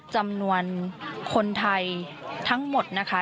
จำนวนคนไทยทั้งหมดนะคะ